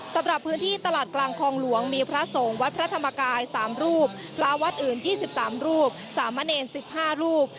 สำหรับพื้นที่ตลาดกลางคลองหลวงมีพระสงฆ์วัดพระธรรมกาย๓รูปพระวัดอื่น๒๓รูปสามเณร๑๕รูป